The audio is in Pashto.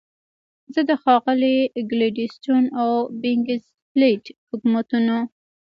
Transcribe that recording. زه د ښاغلي ګلیډستون او بیکنزفیلډ حکومتونو.